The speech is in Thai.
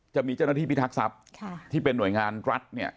จะมีเจ้าหน้าที่พิทักษัพที่เป็นหน่วยงานรัฐเนี่ย